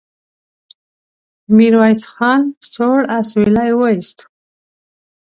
ميرويس خان سوړ اسويلی وايست.